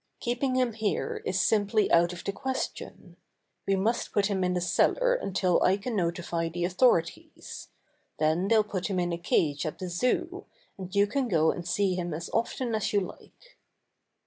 Keeping him here is simply out of the question. We must put him in the cellar until I can notify the authorities. Then they'll put him in a cage at the Zoo, and you can go and see him as often as you like."